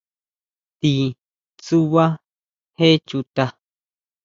¿Ti tsubá je chuta?